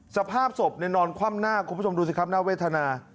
สภาพศพนอนคว่ำหน้าคุณผู้ชมดูสิครับน่าเวทนา